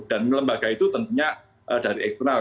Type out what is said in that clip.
dan lembaga itu tentunya dari eksternal